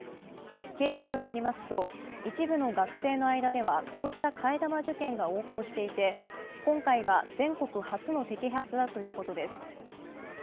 警視庁によりますと一部の学生の間ではこうした替え玉受検が横行していて今回が、全国初の摘発だということです。